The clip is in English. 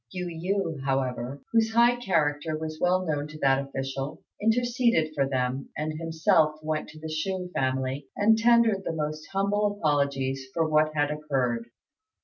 Yu yü, however, whose high character was well known to that official, interceded for them, and himself went to the Chou family and tendered the most humble apologies for what had occurred.